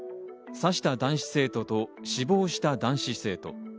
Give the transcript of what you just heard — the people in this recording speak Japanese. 刺した男子生徒と死亡した男子生徒。